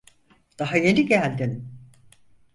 Daha yeni geldin.